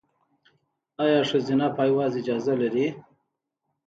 ایا ښځینه پایواز اجازه لري؟